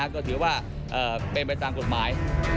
ก็ถือว่าเป็นไปตามกฎหมาย